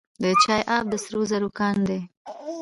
د چاه اب د سرو زرو کان دی